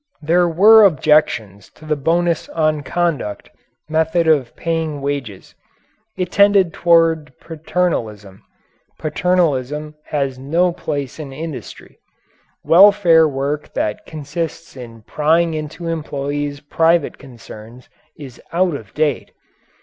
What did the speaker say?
There were objections to the bonus on conduct method of paying wages. It tended toward paternalism. Paternalism has no place in industry. Welfare work that consists in prying into employees' private concerns is out of date.